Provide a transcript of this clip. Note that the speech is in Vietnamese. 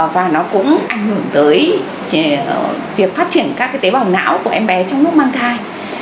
và nó cũng ảnh hưởng tới việc phát triển các tế bào não của em bé trong lúc mang thai